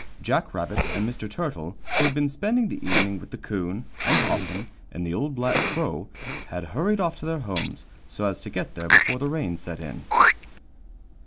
Jack Rabbit and Mr. Turtle, who had been spending the evening with the 'Coon and 'Possum and the Old Black Crow, had hurried off to their homes, so as to get there before the rain set in.